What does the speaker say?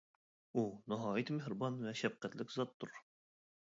ئۇ ناھايىتى مېھرىبان ۋە شەپقەتلىك زاتتۇر.